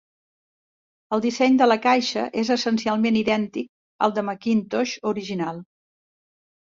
El disseny de la caixa és essencialment idèntic al del Macintosh original.